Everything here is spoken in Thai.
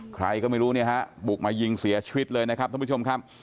ใครก็ไม่รู้เนี่ยฮะบุกมายิงเสียชีวิตเลยนะครับท่านผู้ชมครับ